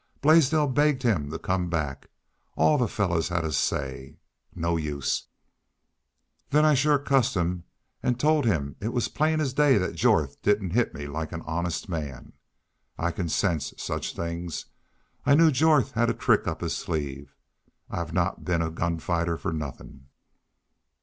Blaisdell begged him to come back. All the fellars; had a say. No use! Then I shore cussed him an' told him it was plain as day thet Jorth didn't hit me like an honest man. I can sense such things. I knew Jorth had trick up his sleeve. I've not been a gun fighter fer nothin'.